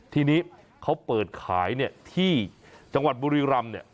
ทีนี้เขาเปิดขายที่จังหวัดบุรีรำ